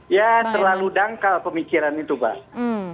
ya terlalu dangkal pemikiran itu pak